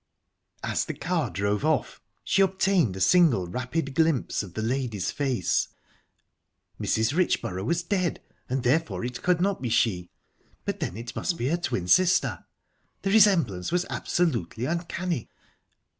As the car drove off she obtained a single rapid glimpse of the lady's face. Mrs. Richborough was dead, and therefore it could not be she; but, then, it must be her twin sister. The resemblance was absolutely uncanny...